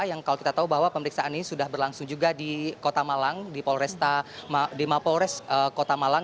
yang kalau kita tahu bahwa pemeriksaan ini sudah berlangsung juga di kota malang di mapolres kota malang